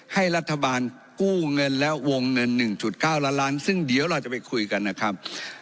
ให้รัฐบาลกู้เงินและวงเงิน๑๙ล้านล้านซึ่งเดี๋ยวเราจะไปคุยกันนะครับ